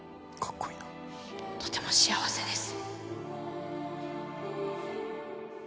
とても幸せです。